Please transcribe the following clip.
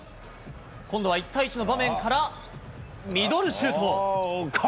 今度は１対１の場面からミドルシュート！